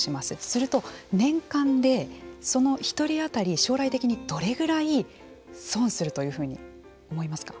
すると年間でその１人当たり将来的にどれぐらい損するというふうに思いますか。